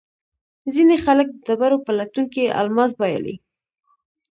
ځینې خلک د ډبرو په لټون کې الماس بایلي.